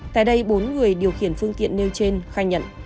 tại đây bốn người điều khiển phương tiện nêu trên khai nhận